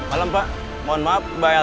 ada yang mau nyasar satu satu kesepakatan